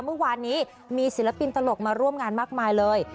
เมื่อวานนี้มีศิลปินตลกมาร่วมงานมากมายเลย